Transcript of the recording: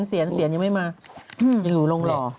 เสียรยังไม่มาอยู่หลงรอ